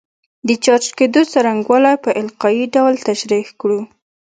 د چارج کېدو څرنګوالی په القايي ډول تشریح کړو.